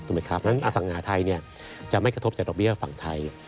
เพราะฉะนั้นอสังหาไทยจะไม่กระทบจากดอกเบี้ยฝั่งไทย